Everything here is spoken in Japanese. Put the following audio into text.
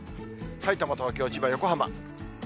さいたま、東京、千葉、横浜。